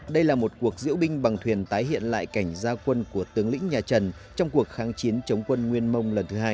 đây là một cuộc diễu binh bằng thuyền tái hiện lại cảnh gia quân của tướng lĩnh nhà trần trong cuộc kháng chiến chống quân nguyên mông lần thứ hai